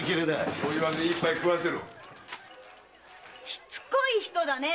しつこい人だね！